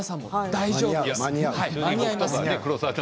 大丈夫です。